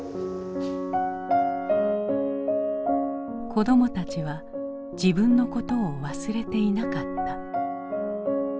子どもたちは自分のことを忘れていなかった。